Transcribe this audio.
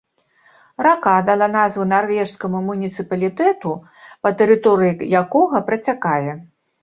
Рака дала назву нарвежскаму муніцыпалітэту, па тэрыторыі якога працякае.